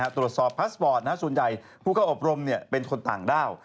พาสปอร์ตส่วนใหญ่ผู้เข้าอบรมเป็นคนต่างด้าว